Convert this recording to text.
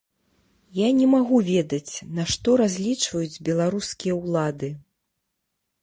Я не магу ведаць на што разлічваюць беларускія ўлады.